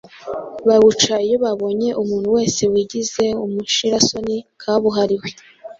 bawuca iyo babonye umuntu wese wigize umushirasoni kabuhariwe,